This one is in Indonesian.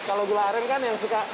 kalau gula aren kan yang suka